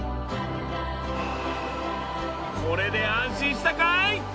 これで安心したかい？